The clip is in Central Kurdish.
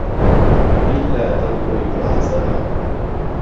بیللا دڵ بۆی پڕ ئازاره